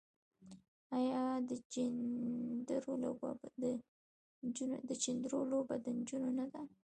آیا د چيندرو لوبه د نجونو نه ده؟